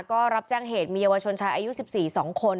ก็รับแจ้งเหตุมีเยาวชนชายอายุ๑๔๒คน